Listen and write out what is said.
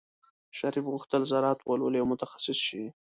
شریف غوښتل زراعت ولولي او متخصص شي.